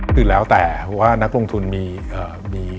คือแล้วแต่ว่านักลงทุนมี